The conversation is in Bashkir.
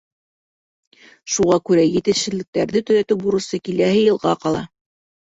Шуға күрә етешһеҙлектәрҙе төҙәтеү бурысы киләһе йылға ҡала.